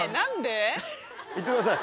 いってください。